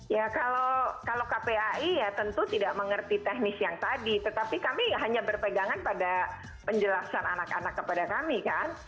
ya kalau kpai ya tentu tidak mengerti teknis yang tadi tetapi kami hanya berpegangan pada penjelasan anak anak kepada kami kan